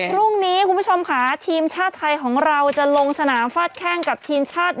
คุณผู้ชมค่ะทีมชาติไทยของเราจะลงสนามฟาดแข้งกับทีมชาติ